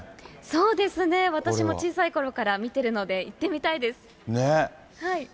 そうですね、私も小さいころから見てるので、行ってみたいでね。